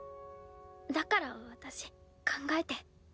だから私考えて。